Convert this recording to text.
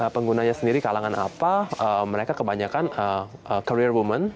penggunanya sendiri kalangan apa mereka kebanyakan career woman